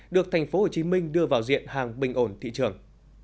được thành phố hồ chí minh đưa vào diện hàng bình ổn thị trường